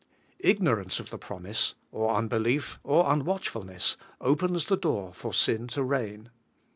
Ignorance of the promise, or unbelief, or unwatchfulness, opens the door for sin to reign.